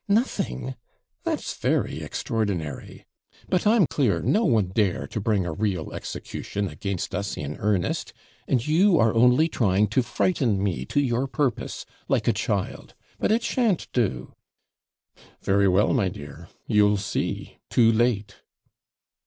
'Nothing! that's very extraordinary. But I'm clear no one dare to bring a real execution against us in earnest; and you are only trying to frighten me to your purpose, like a child; but it shan't do.' 'Very well, my dear; you'll see too late.'